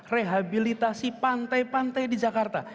rehabilitasi pantai pantai di jakarta